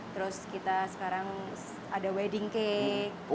terus kita sekarang ada wedding cake